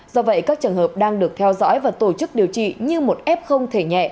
do vậy các trường hợp đang được theo dõi và tổ chức điều trị như một f không thể nhẹ